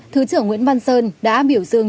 thứ trưởng nguyễn văn sơn đã biểu dương